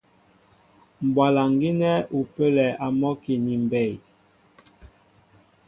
Mbwalaŋ gínɛ́ ú pə́lɛ a mɔ́ki ni mbey.